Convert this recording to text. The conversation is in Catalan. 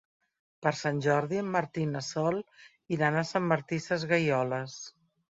Per Sant Jordi en Martí i na Sol iran a Sant Martí Sesgueioles.